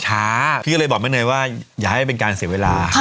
พี่ก็เลยบอกแม่เนยว่าอย่าให้เป็นการเสียเวลา